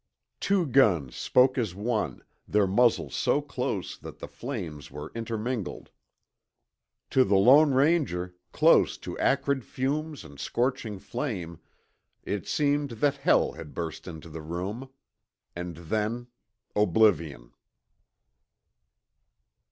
Two guns spoke as one, their muzzles so close that the flames were intermingled. To the Lone Ranger, close to acrid fumes and scorching flame, it seemed that hell had burst into the room. And then oblivion.